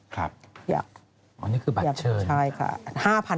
ครับเหรออันนี้คือบัตรเชิญฮะใช่ค่ะ